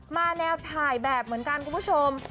แนวถ่ายแบบเหมือนกันคุณผู้ชม